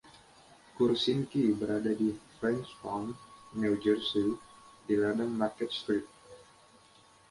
Kursinski berada di Frenchtown, New Jersey di Ladang Market Street.